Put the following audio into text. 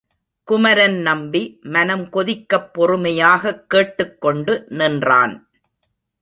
குமரன் நம்பி மனம் கொதிக்கப் பொறுமையாகக் கேட்டுக்கொண்டு நின்றான்.